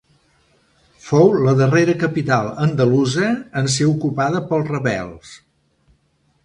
Fou la darrera capital andalusa en ser ocupada pels rebels.